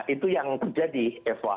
itu yang terjadi eva